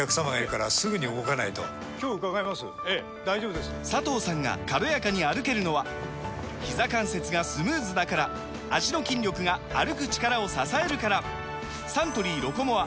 今日伺いますええ大丈夫です佐藤さんが軽やかに歩けるのはひざ関節がスムーズだから脚の筋力が歩く力を支えるからサントリー「ロコモア」！